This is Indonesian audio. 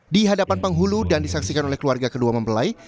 di hadapan penghulu dan disaksikan oleh keluarga kedua mempelai